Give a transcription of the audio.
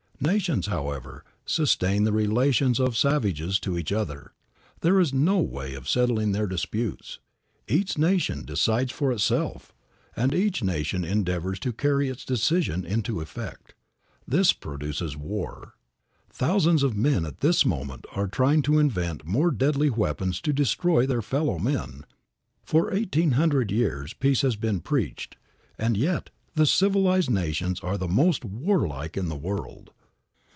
Nations, however, sustain the relations of savages to each other. There is no way of settling their disputes. Each nation decides for itself, and each nation endeavors to carry its decision into effect. This produces war. Thousands of men at this moment are trying to invent more deadly weapons to destroy their fellow men. For eighteen hundred years peace has been preached, and yet the civilized nations are the most warlike of the world.